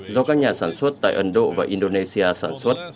do các nhà sản xuất tại ấn độ và indonesia sản xuất